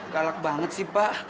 galak banget sih pak